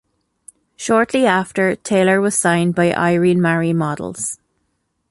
Shortly after, Taylor was signed by Irene Marie Models.